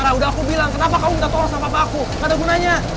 udah aku bilang kenapa kamu minta tolong sama bapak aku gak ada gunanya